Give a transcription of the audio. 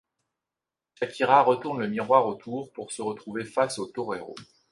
Shakira retourne le miroir autour pour se retrouver face au torero.